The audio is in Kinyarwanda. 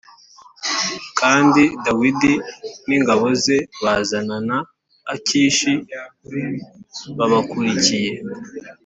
kandi dawidi n’ingabo ze bazana na akishi babakurikiye